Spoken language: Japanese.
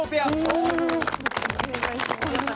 お願いします。